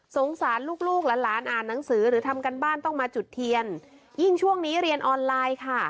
สารลูกลูกหลานหลานอ่านหนังสือหรือทำการบ้านต้องมาจุดเทียนยิ่งช่วงนี้เรียนออนไลน์ค่ะ